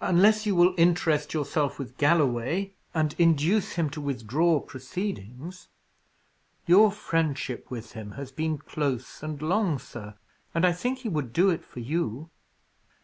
"Unless you will interest yourself with Galloway, and induce him to withdraw proceedings. Your friendship with him has been close and long, sir, and I think he would do it for you."